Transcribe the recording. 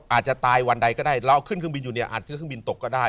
อาจจะตายวันใดก็ได้เราเอาขึ้นเครื่องบินอยู่เนี่ยอาจซื้อเครื่องบินตกก็ได้